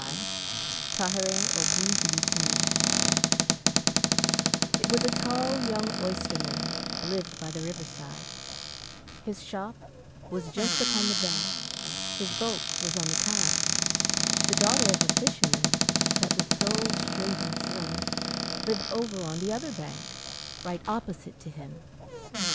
THE BALLAD OF THE OYSTERMAN IT was a tall young oysterman lived by the river side, His shop was just upon the bank, his boat was on the tide; The daughter of a fisherman, that was so straight and slim, Lived over on the other bank, right opposite to him.